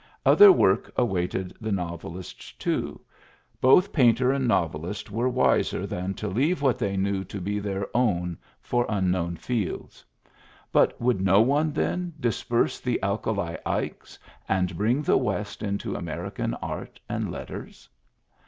Other work awaited the novelist, too ; both painter and novel ist were wiser than to leave what they knew to Digitized by VjOOQIC PBIEFACE 15 be their own for unknown fields. But would no one, then, disperse the Alkali Ikes and bring the West into American art and letters